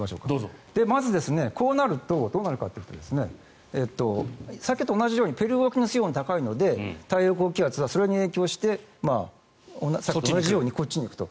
まず、こうなるとどうなるかというと先ほどと同じようにペルー沖の水温が高いので太平洋高気圧がそれに影響して同じようにこっちにいくと。